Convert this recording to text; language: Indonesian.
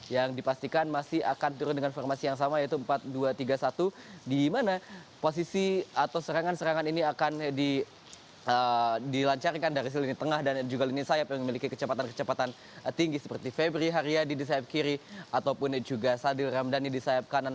yang dipastikan masih akan turun dengan formasi yang sama yaitu empat dua tiga satu di mana posisi atau serangan serangan ini akan dilancarkan dari si lini tengah dan juga lini sayap yang memiliki kecepatan kecepatan tinggi seperti febri haryadi di sayap kiri ataupun juga sadil ramdhani di sayap kanan